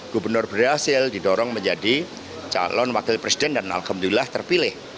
gubernur berhasil didorong menjadi calon wakil presiden dan alhamdulillah terpilih